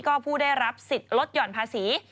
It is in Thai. ก็ผู้ได้รับสิทธิ์ลดหย่อนภาษี